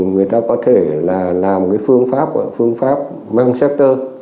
người ta có thể là làm cái phương pháp phương pháp măng sét tơ